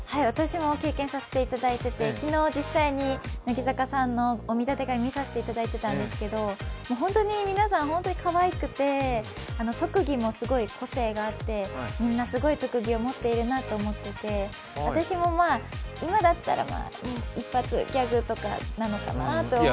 私も経験させて頂いていて、昨日、実際に乃木坂さんのお見立て会をみさせていただいていたんですけど、本当に皆さんかわいくて、特技もすごい個性があってみんな、すごい特技を持っているなと思っていて私も、今だったら一発ギャグなのかなって。